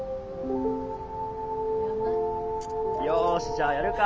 よしじゃあやるか。